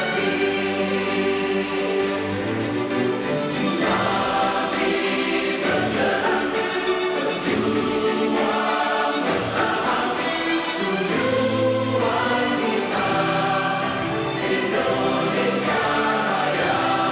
pdi perjuangan jaya